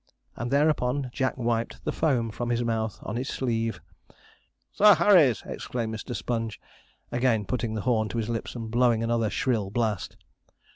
and thereupon Jack wiped the foam from his mouth on his sleeve. 'Sir Harry's!' exclaimed Mr. Sponge, again putting the horn to his lips, and blowing another shrill blast.